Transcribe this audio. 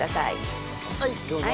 はいどうぞ。